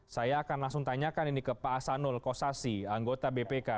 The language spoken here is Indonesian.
saya akan langsung tanyakan ini ke pak hasanul kosasi anggota bpk